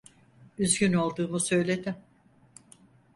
Üzgün olduğumu söyledim.